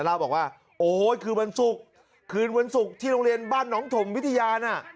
เล่าบอกว่าโอ้โหคือวันศุกร์คืนวันศุกร์ที่โรงเรียนบ้านน้องถมวิทยาน่ะ